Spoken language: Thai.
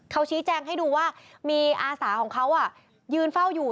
เขาชี้แจงให้ดูว่ามีอาสาของเขายืนเฝ้าอยู่